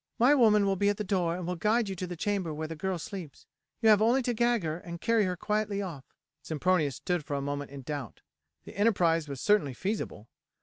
My woman will be at the door and will guide you to the chamber where the girl sleeps; you have only to gag her and carry her quietly off." Sempronius stood for a moment in doubt. The enterprise was certainly feasible.